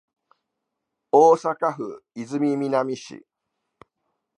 大阪府泉南市